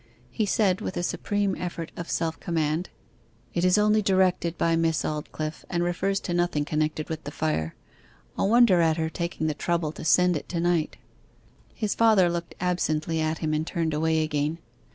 He said, with a supreme effort of self command 'It is only directed by Miss Aldclyffe, and refers to nothing connected with the fire. I wonder at her taking the trouble to send it to night.' His father looked absently at him and turned away again.